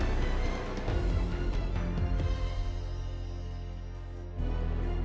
tak ada penuli padaume muda lainnya mitob quiero vos